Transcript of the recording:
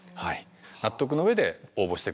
納得の上で応募して下さいと。